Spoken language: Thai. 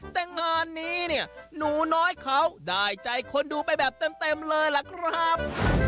แต่งานนี้เนี่ยหนูน้อยเขาได้ใจคนดูไปแบบเต็มเลยล่ะครับ